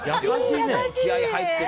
気合入ってる。